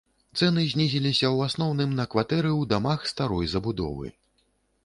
Цэны знізіліся ў асноўным на кватэры ў дамах старой забудовы.